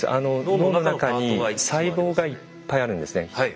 脳の中に細胞がいっぱいあるんですね。